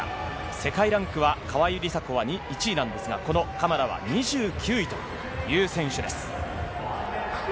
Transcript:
世界ランクは川井梨紗子は１位ですがカマラは２９位という選手です。